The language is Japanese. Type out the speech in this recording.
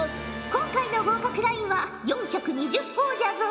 今回の合格ラインは４２０ほぉじゃぞ。